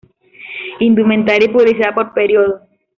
Indumentaria y publicidad por período